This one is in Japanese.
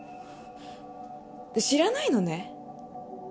知らないのね？